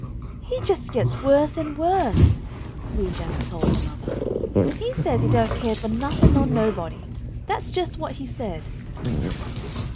"He just gets worse and worse," Wee Janet told her mother. "He says he 'don't care for nuthin' nor nobody,' that's just what he said."